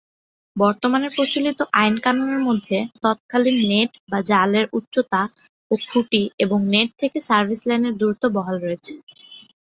বর্তমানে প্রচলিত আইন-কানুনের মধ্যে তৎকালীন নেট বা জালের উচ্চতা ও খুঁটি এবং নেট থেকে সার্ভিস লাইনের দূরত্ব বহাল রয়েছে।